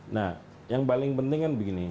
nah yang paling penting kan begini